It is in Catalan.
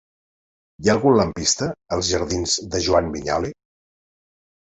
Hi ha algun lampista als jardins de Joan Vinyoli?